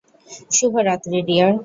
শুভ রাত্রি, ডিয়ার।